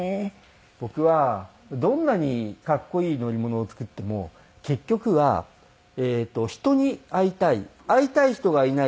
僕はどんなに格好いい乗り物を作っても結局は人に会いたい会いたい人がいないと出かけない。